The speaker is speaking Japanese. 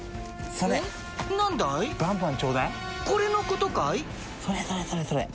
それそれそれそれ。